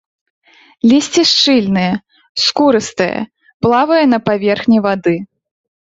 Лісце шчыльнае, скурыстае, плавае на паверхні вады.